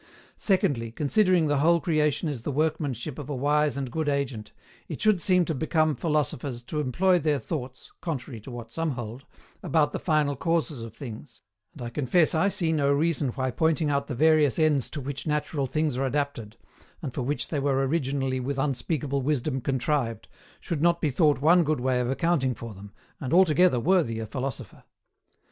Secondly, considering the whole creation is the workmanship of a wise and good Agent, it should seem to become philosophers to employ their thoughts (contrary to what some hold) about the final causes of things; and I confess I see no reason why pointing out the various ends to which natural things are adapted, and for which they were originally with unspeakable wisdom contrived, should not be thought one good way of accounting for them, and altogether worthy a philosopher.